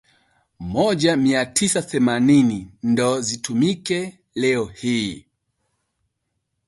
moja mia tisa themanini nd’o zitumike leo hii